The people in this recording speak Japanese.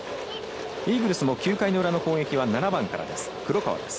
イーグルスも９回裏の攻撃は７番からです。